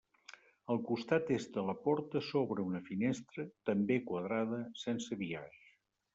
Al costat est de la porta s'obre una finestra també quadrada sense biaix.